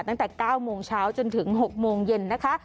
ตั้งแต่๙โมงเช้าจนถึง๖โมงเย็นนะคะ